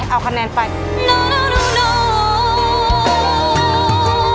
โนโนโนโน